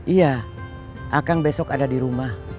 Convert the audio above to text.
iya akang besok ada di rumah